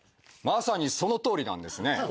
まさにそのとおりなんですね。